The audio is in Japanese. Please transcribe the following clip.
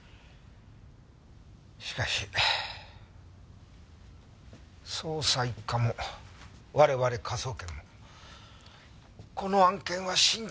しかし捜査一課も我々科捜研もこの案件は慎重に。